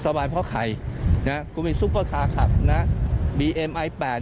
บายเพราะใครนะคุณมีซุปเปอร์คาร์ขับนะบีเอ็มไอแปด